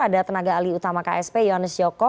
ada tenaga ahli utama ksp yohanes yoko